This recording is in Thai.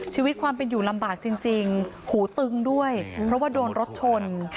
ชีวิตความเป็นอยู่ลำบากจริงหูตึงด้วยเพราะว่าโดนรถชน